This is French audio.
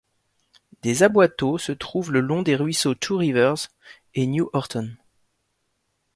Des aboiteaux se trouvent le long des ruisseaux Two Rivers et New Horton.